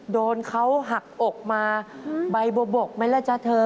โดนเขาหักอกอะไรมาใบบบบกไม่แล้วจ้าเธอ